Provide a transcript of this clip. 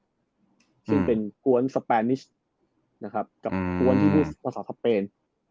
ซึ่งเป็นกวนสเปนนิชย์กับกวนที่เรียกภาษาสเปน